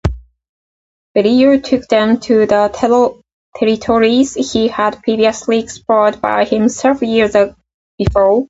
Berrio took them to the territories he had previously explored by himself years before.